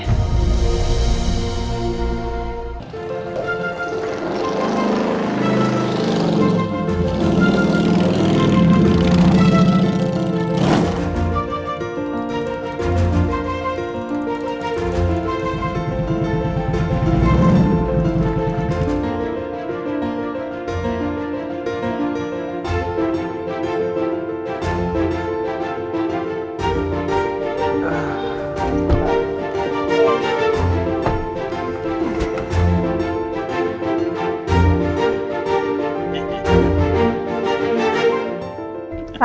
nah fav cek ya